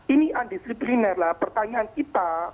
ini undisipliner lah pertanyaan kita